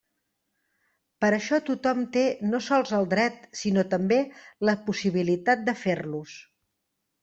Per això tothom té no sols el dret sinó també la possibilitat de fer-los.